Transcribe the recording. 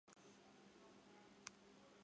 计算函数是在自然数上的有限偏函数。